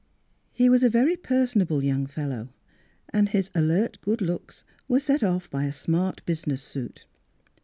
He was a very personable young fellow, and his alert good looks were set off by a smart business suit.